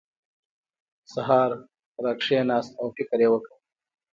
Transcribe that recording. سهار راکېناست او فکر یې وکړ.